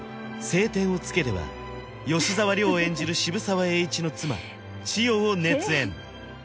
「青天を衝け」では吉沢亮演じる渋沢栄一の妻千代を熱演